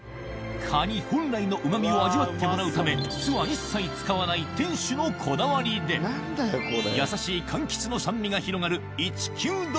カニ本来のうまみを味わってもらうため店主のこだわりでやさしい柑橘の酸味が広がる